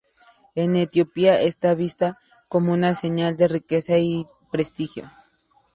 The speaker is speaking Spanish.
En Etiopía, están vistos como una señal de riqueza y prestigio.